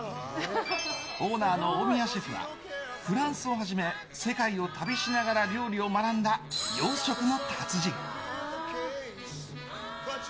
オーナーの大宮シェフはフランスをはじめ世界を旅しながら料理を学んだ洋食の達人。